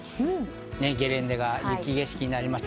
ゲレンデが雪景色になりました。